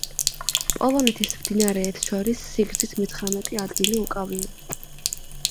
პოლონეთის მდინარეებს შორის სიგრძით მეცხრამეტე ადგილი უკავია.